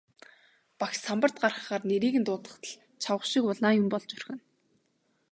Багш самбарт гаргахаар нэрийг нь дуудахад л чавга шиг улаан юм болж орхино.